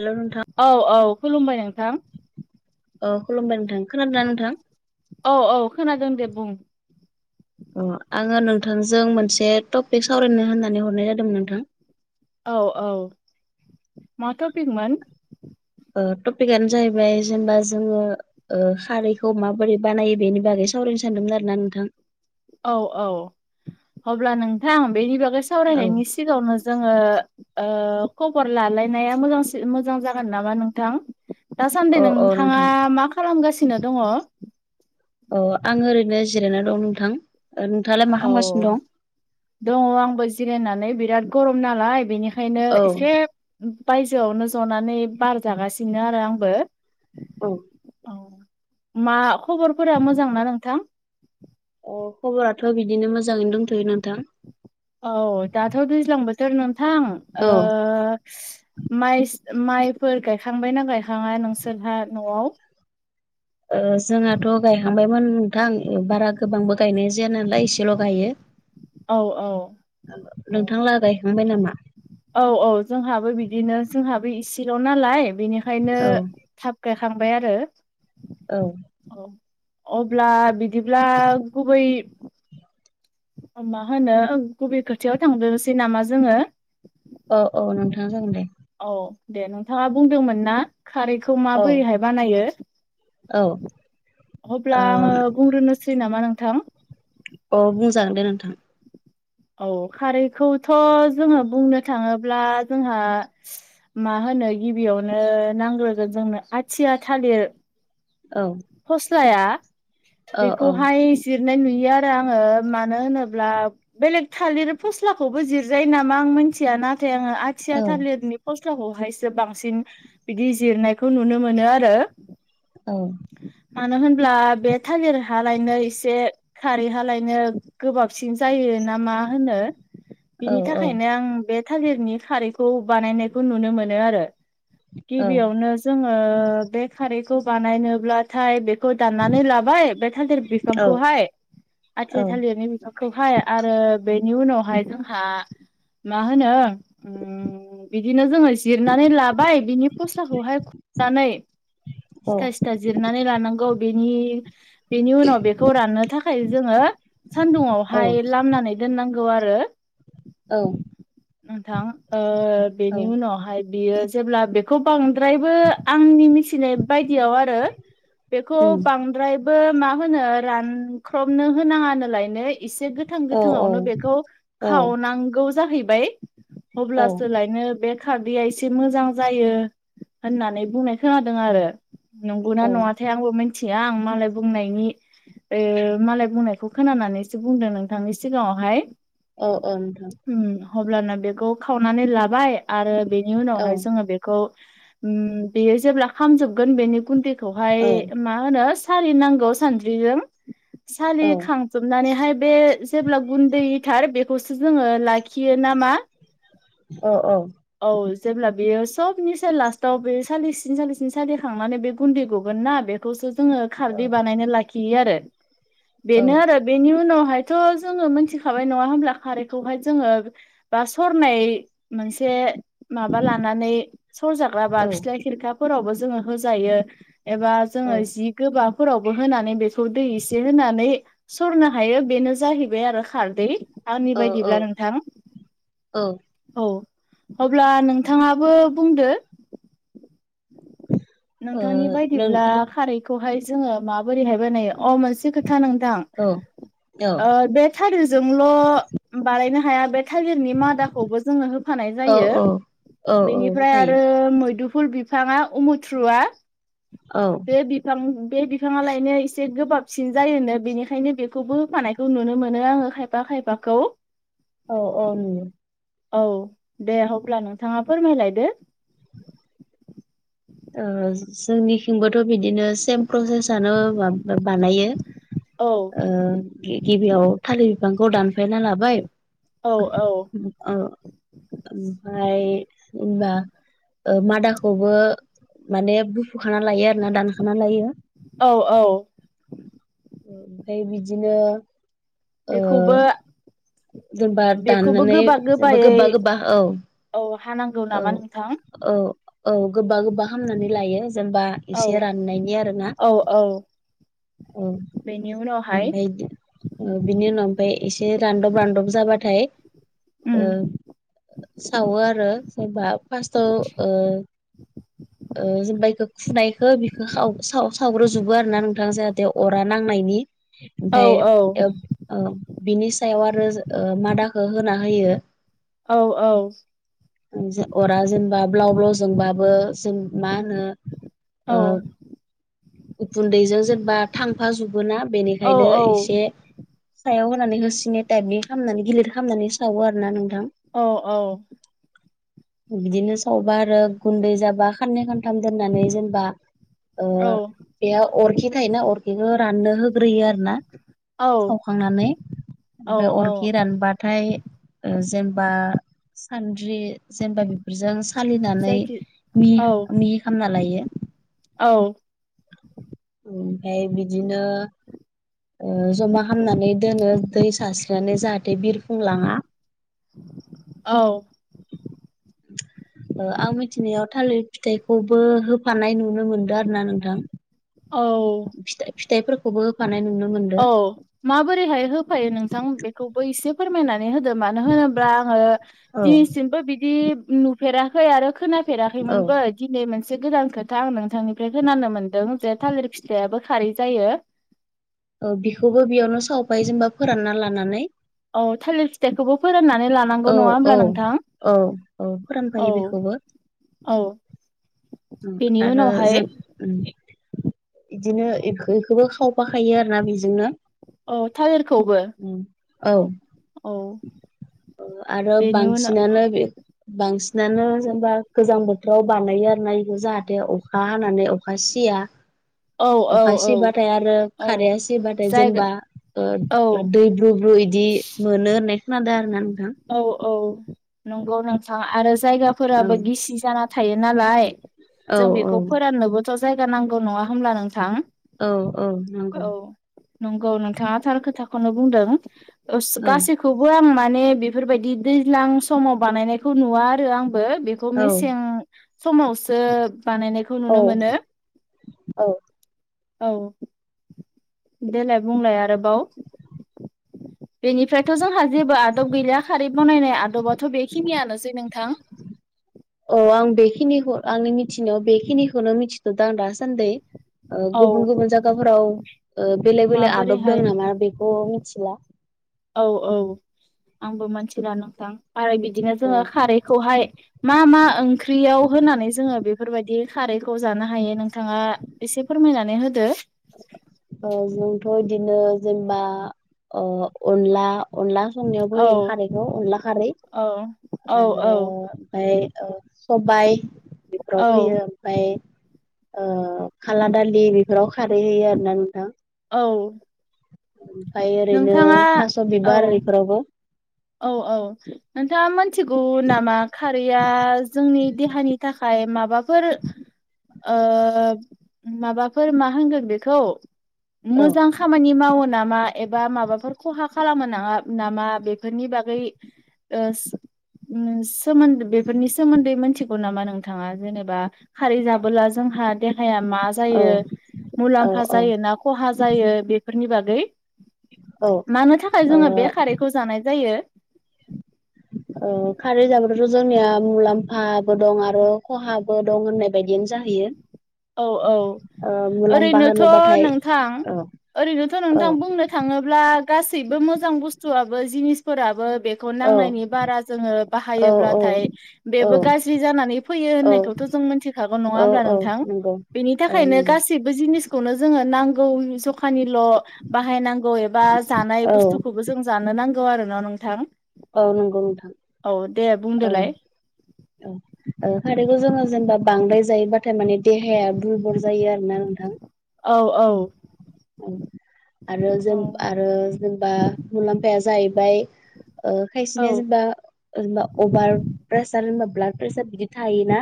Hello नोंथां औ-औ खुलुमबाय नोंथां। अ खुलुमबाय नोंथां खोनादों नोंथां? औ औ खोनादों दे बुं अ आङो नोंथांजों मोनसे टपिक सावरायनो होननानै हरनाय जादोंमोन नोंथां। औ-औ मा थ'पिक मोन? ओ टपिकआनो जाहैबाय जेनेबा जोङो ओ खारैखौ माबोरै बानायो बेनि बागै सावरायनो सानदोंमोन आरो ना नोंथां। औ-औ अब्ला नोंथां बेनि बागै औ सावरायनायनि सिगाङावनो जोङो ओ खबर लालायनाया मोजां मोजां जागोन नामा नोंथां? औ दासान्दि औ नोंथाङा नोंथां मा खालामगासिनो दङ? अ आं ओरैनो जिरायना दं नोंथां। ओ नोंथांआलाय। औ दङ आंबो जिरायनानै बिराद गरम नालाय बेनि खायनो औ एसे बायजोआवनो जनानै बार जागासिनो आरो आंबो औ अ मा खबरफोरा मोजां ना नोंथां? अ खबराथ' बिदिनो मोजाङैनो दंथ'यो नोंथां औ दाथ' दैज्लां बोथोर नोंथां औ ओ माइ माइफोर गायखांबायना गायखाङा नोंसोरहा न'आव ओ जोंहाथ' गायखांबायमोन नोंथां बारा गोबांबो गायनाय जाया नालाय एसे एसेल' गायो औ औ नोंथांला गायखांबाय नामा? औ-औ जोंहाबो बिदिनो जोंहाबो इसेल' नालाय बेनिखायनो औ थाब गायखांबाय आरो औ अब्ला बिदिब्ला गुबै मा होनो गुबब खोथायायाव थांद्रोसै नामा जोङो? औ-औ नोंथाङा जागोन दे औ दे नोंथाङा बुंदोंमोन ना? खारैखौ औ माबोरैहाय बानायो औ ओ अब्ला आङो बुंग्रोनोस सै नामा नोंथां अ बुंजागोन दे नोंथां औ खारैखौथ' जोङो बुंनो थाङोब्ला जोंहा मा होनो गिबियावनो नांग्रोगोन जोंनो आथिया थालिर औ फस्लाया औ औ बेखौहाय जिरनाय नुयो आरो आङो मानो होनोब्ला बेलेग थालिर फस्लाखौबो जिरजायो नामा आं मिथिया नाथाय आङो आ थिया औ थालिरनि फस्लाखौहायसो बांसिन बिदि जिरनायखौ नुनो मोनो आरो औ मानो होनब्ला बे थालिर हालायनो एसे खारै हालायनो गोबाबसिन जायो ना मा होनो औ बिनि थाखायनो औ आं बे थालिरनि खारैखौ बानायनायखौ नुनो मोनो आरो औ गिबियावनो जोङो बे खारैखौ बानायनोब्ला थाय बेखौ दाननानै लाबाय बे थालिर औ बिफांखौहाय आथिया थालिरनि बि खौहाय आरो बेनि उनावहाय जोंहा मा होनो उम उम बिदिनो जोङो जिरनानै लाबाय बिनि फस्लाखौहाय खुरनानै अ जिरनानै लानांगौ बेनि बेनि उनाव बेखौ राननो थाखाय जोङो सानदुंआवहाय लामनानै दोननांगौ आरो औ नोंथां ओ बेनि उनावहाय बियो जेब्ला बे खौ बांद्रायबो आंनि मिथिनाय बायदियाव आरो बेखौ उम बां द्रायबो मा होनो रानख्रबनो होनाङानोलायनो एसे गो थां औ औ गोथांआवनो बेखौ खावनांगौ जाहैबाय औ अब्लासोलायनो बे खारदैया एसे मोजां जायो होननानै बुंनाय खोनादों आरो नंगौना औ नङा थाय आंबो मिथिया आं मालाय बुंनायनि ओ मालाय बुंनायखौ खोनानानैसो बुंदों नोंथांनि सिगाङावहाय औ औ नोंथां उम अब्लाना बेखौ खावनानै लाबाय आरो बेनि औ उनावहाय जोङो बे खौ उम बेयो जेब्ला खामजोबगोन बेनि गुन्दैखौहाय औ मा होनो सालि नांगौ सानद्रिजों औ सालिखां जोबनानैहाय बे जेब्ला गुन्दैथार बेखौसो जोङो लाखियो नामा अ औ औ जेब्ला बेयो सबनिसाय लास्टाव बे सालिसिन सालिसिन सालिखांनानै बे गुन्दै गगोन ना बेखौसो जोङो खारदै बानायना लाखियो आरो बेनो आरो बेनि उनावहायथ' जोङो मोनथिखाबाय नङा होमब्ला खारैखौहाय जोङो बा सरनाय मोनसे माबा लानानै सरजाग्राबा औ ओ फिथ्लाय खिरखाफोरावबो जोङो होजायो एबा जोङो जि गोबाफोरावबो होनानै बेखौ दै एसे होनानै सरनो हायो बेनो जाहैबाय आरो खारदै। आंनि बायदिब्ला नोंथां औ अब्ला नोंथाङाबो बुंदो नोंनि नों बायदिब्ला खारैखौहाय जोङो माबोरैहाय बानायो अ मोनसे खोथा नोंथां औ ओ बे थालिरजोंल' बानायनो हाया बे थालिरनि मादाखौबो जोङो हो होफानाय जायो औ औ औ बेनिफ्राय होफायो आरो मैदुफुल बिफाङा उमुथ्रुवा औ बे बिफां बे बिफाङालायनो एसे गोबाबसिन जायोनो बेनिखायनो बेखौबो होफानाय खौ नुनो मोनो आङो खायफा खायफाखौ। औ औ औ दे अब्ला नोंथाङा फोरमायलायदो। ओ जोंनिथिंबोथ' बिदिनो सेम प्रसेसआनो बा-बानायो। औ उम गिबियाव थालिर बिफांखौ दानफायना लाबाय। औ औ ओ ओमफ्राय होनबा ओ मादाखौबो माने बुफु खाना लायो आरोना दानखाना लायो औ औ ओमफ्राय बिदिनो ओ बेखौबो जेनेबा बेखौबो दाननानै गोबा जेनेबा गोबायै गोबा गोबा औ औ हानांगौ औ नामा नोंथां? औ औ गोबा गोबा हामनानै लायो जेनबा औ एसे राननायनि आरोना औ औ औ बेनि उनावहाय बायदि ओ बिनि उनाव ओमफ्राय एसे रानदब रानदब जाबाथाय उम ओ सावो आरो जेनबा फार्स्टाव ओ ओ जेनबा इखौ फुनायखो बिखौ सावग्रोजोबो आरो ना नोंथांङा जाहाथे अरा नांनायनि। औ ओमफ्राय औ ओ ओ बिनि सायाव आरो ओ मादाखौ होना होयो औ औ अरा जेनेबा ब्लाव ब्लाव जोंबाबो जों मा होनो औ ओ उखुन्दैजों जेनेबा थांफाजोबोना औ बेनिखायनो एसे सायाव होनानै होसिनो टाइपनि खालामनानै गिलिर खालामनानै सावो आरो ना नोंथां। औ औ बिदिनो सावबा आरो गुन्दै जाबा खाननै खानथाम दोननानै जेनेबा ओ औ बे अरखि थायोना अरखिखौ राननो होग्रोयो आरो ना औ सावखांनानै औ औ [unintelligible] सानबाथाय ओ जेनबा सानद्रि जेनेबा बेफोरजों सालिनानै जायखि मि औ मि खामना लायो। औ ओमफ्राय बिदिनो जमा खालामामनानै दोनो दै सारस्रिनानै जाहाथे बिरफुंलाङा औ आं मिथिनायाव थालिर फिथाइखौबो होफानाय नुनो मोनदों आरो ना नोंथां औ फिथाइ फिथाइफोरफोरखौ खबो होफानाय नुनो औ मोनदों माबोरैहाय होफायो नोंथां बेखौबो एसे फोरमायनानै [unintelligible] मानो होनोबा आङो औ दासिमबो बिदि नुफेराखै आरो खोना औ फेराखैमोनबो। दिनै मोनसे गोदान खोथा आं नोंथांनिफ्राय खोनानो मोनदों जे थालिर फिथाइाबो खारै जायो। औ बेखौबो बेयावनो सावफायो जेनबा फोरानना लानानै औ थालिर फिथाइखौबो फोराननानै ला औ औ औ औ औ फोरानफायो बेखौबो औ बेनि उनावहाय ओम इदिनो इखो इखोबो खावफाखायो आरो ना बिजोंनो औ थालिरखौबो औ औ। आरो बेनि उनाव बांसिनानो बे बांसिनानो जेनबा गोजां बोथोराव बानायो आरो ना। जाहाथे अखा हानानै अखा सिया औ औ अखा औ सिबाथाय आरो औ खाराया सिबाथाय जायगा जेनबा औ ओ दै ब्रु ब्रु इदि मोनो होननाय खोनादों आरोना नोंथां। औ औ नंगौ नोंथां आरो औ जायगाफोराबो गिसि जाना थायो नालाय औ जों बेखौ फोराननोबोथ' जायगा नांगौ नङा होमब्ला नोंथां? औ औ नोंगौ। नोंगौ नोंथाङा थार खोथाखौनो बुंदों ओ औ गासै खौबो आं माने बेफोरबायदि दैज्लां समाव बानायनायखौ नुवा आरो आंबो बे खौ औ मेसें समावसो बानायनायखौ औ नुनो मोनो। औ औ देलाय बुंलाय आरोबाव बेनिफ्राय थ' जोंहा जेबो आदब गैलिया खारै बनायनाय आदबाथ' बेखिनियानोसै नोंथां औ आं बेखिनिखौ आंनि मिथिनायाव बेखिनिखौनो मिथिथ'दों आं दासान्दै ओ औ गुबुन गुबुन जायगाफोराव ओ बेलेग बेलेक आदब माबोरैहाय दं नामा बेखौ मिथिला औ औ आंबो मोनथिला नोंथां आरो बिदिनो ओ जोङो खारै खौहाय मा मा ओंख्रियाव होनानै जोङो बेफोरबायदि खारैखौ जानो हायो नों थाङा एसे फोरमायनानै होदो ओ जोंथ' बिदिनो जेनेबा ओ अनला अनला संनायावबो औ होयो खारैखौ अनला खारै औ औ आरो औ ओमफाय ओ सबाय बिफोराव औ होयो ओमफाय ओ खाला दालि बिफोराव खारै होयो आरो ना नोंथां। औ। ओमफाय ओरैनो नोंथाङा थास' औ बिबार आरो बिफोरावबो औ औ। नोंथाङा मोनथिगौ नामा खारैया जोंनि देहानि थाखाय माबा फोर ओ माबाफोर मा होनगोन बेखौ औ मोजां खामानि मावो नामा एबा माबाफोर खहा खालामनो नाङा नामा बे फोरनि बागै ओ ओ सोमोन्द बेफोरनि सोमोन्दै मिथिगौ नामा नोंथाङा जेनेबा खारै जाबोला जोंहा देहाया मा औ जायो औ मुलाम्फा औ जायो ना खहा जायो बेफोरनि बागै औ मानो थाखाय जोङो ओ बे खारैखौ जानाय जायो ओ खारै जाबथ' जोंनिया मुलाम्फाबो दं आरो खहाबो दं होननाय बायदियानो जाहैयो औ औ ओ मुलाम्फा ओरैनोथ' होनोबाथाय नोंथां औ ओरैनोथ' औ नोंथां बुंनो थाङोब्ला गासैबो मोजां बुस्थुआबो जिनिसफोराबो बे खौ औ नांनायनि बारा जोङो औ बाहायोब्लाथाय औ बेबो गाज्रि जानानै फैयो औ होननायखौथ' जों मिथिखागौ नङा औ होमब्ला औ नोंथां। नंगौ बेनि औ थाखायनो नंगौ गासैबो जिनिसखौनो जोङो नांगौ जखानिल' बाहायनांगौ एबा जानाय औ बुस्थुखौबो जों जानो नांगौ आरो न' नोंथां? औ नोंगौ नोंथां औ दे बुंदोलाय औ। ओ खारैखौ जोङो जेनेबा बांद्राय जायोबाथाय माने देहाया दुरबल जायो आरो ना नोंथां औ औ। आरो जों औ आरो जेनेबा मुलाम्फाया जाहैबाय ओ औ खायसेनिया जेनेबा जेनेबा अभार प्रेसार जबा ब्लाड प्रेसार बिदि थायोना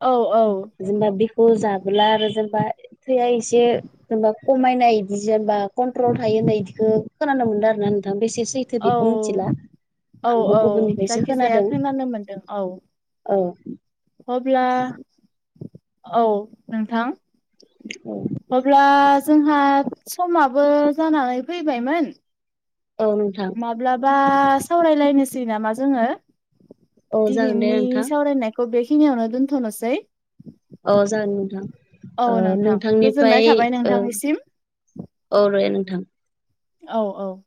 औ औ जेनेबा बिखौ जाबोला आरो जेनेबा थैया एसे जेनेबा खमायनाय इदि जेनेबा कन्ट्रल थायो होननाय बिदिखौ खोनानो मोनदों आरो ना नोंथां बेसे सैथो औ बेखौ मिथिला औ आंबो औ गुबुननिफ्रायसो जायखि जाया खोनादों खोनानो मोन्दों औ औ अब्ला औ नोंथां औ अब्ला जोंहा समाबो जानानै फैबायमोन औ नोंथां माब्लाबा सावरायलायनोसै नामा जोङो औ जागोन दे दिनैनि नोंथां सावरायनाय खौ बेखिनिआवनो दोनथ'नोसै अ जागोन औ नोंथां नोंथां गोजोननाय नोंथांनिफ्राय थाबाय ओ नोंथांनिसिम औ रे नोंथां। औ औ